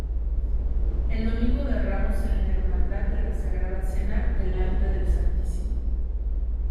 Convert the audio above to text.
El Domingo de Ramos en la Hermandad de la Sagrada Cena delante del Stmo.